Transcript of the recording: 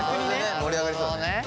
盛り上がりそうだね。